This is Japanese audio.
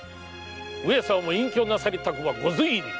上様も隠居なさりたくばご随意に。